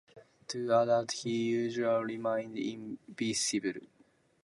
To adults, he usually remained invisible.